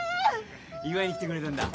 祝いに来てくれたんだ。